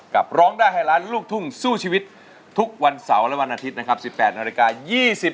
กลับร้องได้ให้ร้านลูกทุ่งสู้ชีวิตทุกวันเสาร์และวันอาทิตย์นะครับ